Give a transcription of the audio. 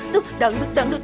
tuh dangdut dangdut